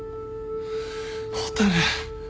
蛍。